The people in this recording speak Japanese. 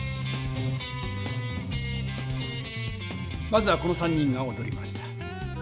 まずはこの３人がおどりました。